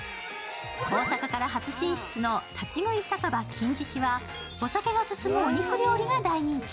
大阪から初進出の立喰酒場金獅子は、お酒が進むお肉料理が大人気。